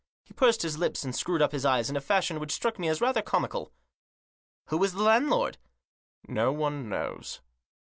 He pursed his lips and screwed up his eyes in a fashion which struck me as rather comical. "Who is the landlord?" " No one knows."